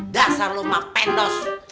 dasar lu mah pendos